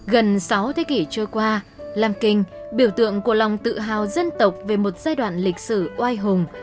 gần sáu thế kỷ trôi qua lam kinh biểu tượng của lòng tự hào dân tộc về một giai đoạn lịch sử oai hùng